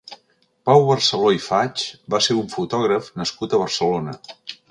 Pau Barceló i Faix va ser un fotògraf nascut a Barcelona.